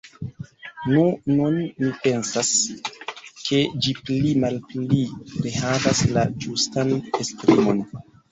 Nu, nun mi pensas, ke ĝi pli-malpi rehavas la ĝustan esprimon!